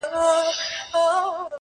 دوې درې ورځي کراري وه هر څه ښه وه!.